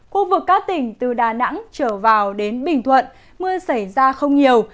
khu vực các tỉnh từ đà nẵng trở vào đến bình thuận mưa xảy ra không nhiều